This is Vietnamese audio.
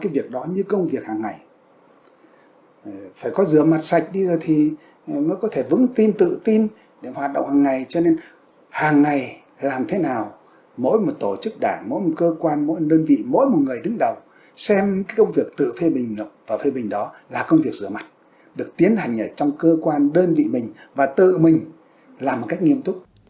và công việc rửa mặt được tiến hành trong cơ quan đơn vị mình và tự mình làm một cách nghiêm túc